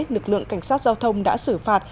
nực lượng cảnh sát giao thông đã xử phạt